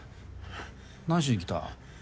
何しに来た？